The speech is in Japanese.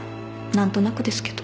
何となくですけど